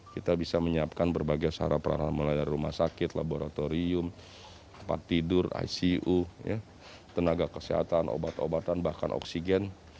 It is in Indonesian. kita bisa menyiapkan berbagai saraparana melayar rumah sakit laboratorium tempat tidur icu tenaga kesehatan obat obatan bahkan oksigen